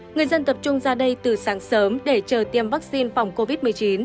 người dân tập trung ra đây từ sáng sớm để chờ tiêm vaccine phòng covid một mươi chín